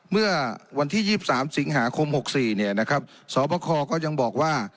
เมื่อวันที่๒๓สิงหาคม๖๔สบคก็ยังบอกว่า